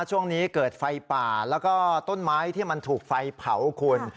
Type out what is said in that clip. ช่วงนี้เกิดไฟป่าแล้วก็ต้นไม้ที่มันถูกไฟเผาคุณ